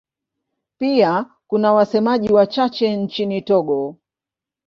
Pia kuna wasemaji wachache nchini Togo.